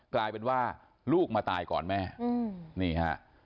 กลายเป็นว่าลูกมาตายก่อนแม่นี่ฮะ